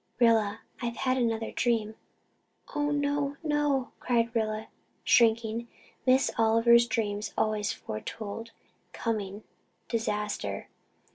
"Rilla, I've had another dream." "Oh, no no," cried Rilla, shrinking. Miss Oliver's dreams had always foretold coming disaster.